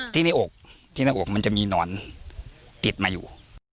ที่ในอกมันจะมีหนอนติดมาอยู่